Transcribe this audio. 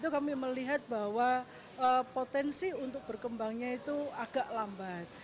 kami melihat bahwa potensi untuk berkembangnya itu agak lambat